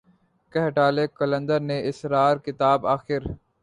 کہہ ڈالے قلندر نے اسرار کتاب آخر